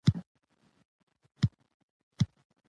په افغانستان کې د سلیمان غر تاریخ اوږد دی.